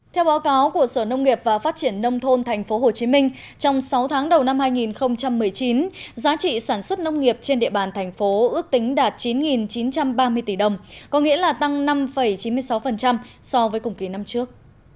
theo báo cáo của sở nông nghiệp và phát triển nông thôn tp hcm trong sáu tháng đầu năm hai nghìn một mươi chín giá trị sản xuất nông nghiệp trên địa bàn thành phố ước tính đạt chín chín trăm ba mươi tỷ đồng có nghĩa là tăng năm chín mươi sáu so với cùng kỳ năm trước